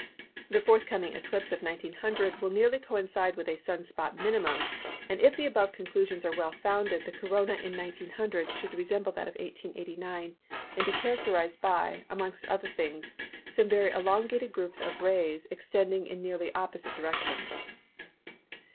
The forthcoming eclipse of 1900 will nearly coincide with a Sun spot minimum, and if the above conclusions are well founded the Corona in 1900 should resemble that of 1889, and be characterised by, amongst other things, some very elongated groups of rays extending in nearly opposite directions.